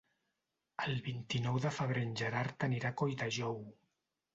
El vint-i-nou de febrer en Gerard anirà a Colldejou.